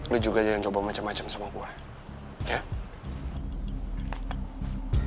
lo juga jangan coba macem macem sama gue ya